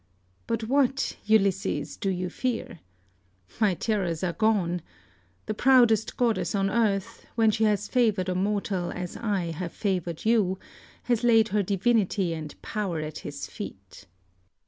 But what, Ulysses, do you fear? My terrors are gone. The proudest goddess on earth, when she has favoured a mortal as I have favoured you, has laid her divinity and power at his feet.